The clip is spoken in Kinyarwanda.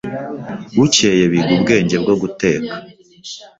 Bukeye biga ubwenge bwo guteka